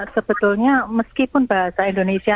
sebetulnya meskipun bahasa indonesia